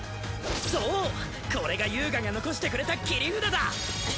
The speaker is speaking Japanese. そうこれが遊我が残してくれた切り札だ！